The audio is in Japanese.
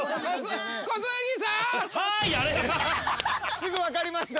すぐ分かりました。